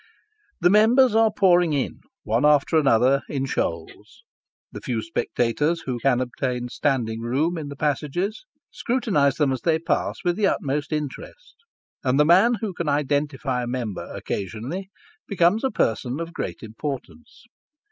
The members are pouring in, one after the other, in shoals. The few spectators who can obtain standing room in the passages, scrutinise them as they pass, with the utmost interest, and the man who can identify a member occasionally, becomes a person of great importance.